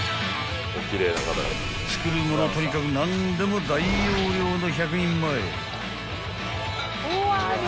［作るものとにかく何でも大容量の１００人前］